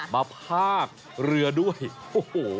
พากเรือด้วยโอ้โห